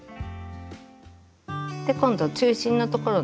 今度中心のところの。